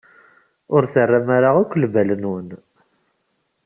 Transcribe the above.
Ur terram ara akk lbal-nwen.